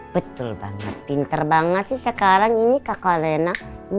betul banget pinter banget sih sekarang ini kakak rena